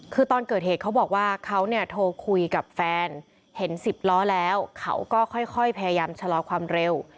คือตอนเกิดเหตุเขาบอกว่าเขาเนี่ยโทรคุยกับแฟนเห็น๑๐ล้อแล้วเขาก็ค่อยพยายามชะลอความเร็ว